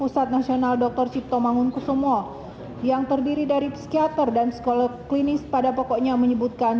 pusat nasional dr cipto mangunkusumo yang terdiri dari psikiater dan psikolog klinis pada pokoknya menyebutkan